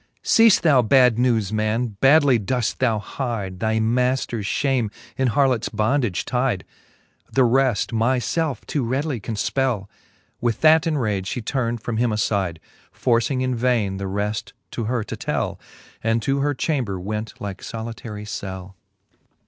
Ceafej thou bad newes men, badly doeft thou hide Thy maifters fhame, in harlots bondage tide. The reft myfelf too readily can fpell. With that in rage ftie turn'd from him afide. Forcing in vaine the reft to her to tell, And to her chamber went like folitary cell.